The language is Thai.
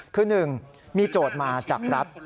คือ๑มีโจทย์มาจากรัฐ